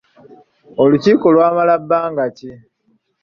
Olukiiko lwamala bbanga ki?